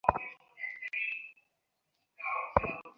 সেগুলি ভাবের স্বাভাবিক প্রকাশ মাত্র।